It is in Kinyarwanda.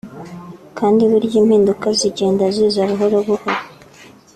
kandi burya impinduka zigenda ziza buhoro buhoro